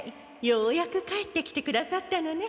ようやく帰ってきてくださったのね。